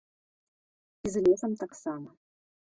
І з лесам таксама.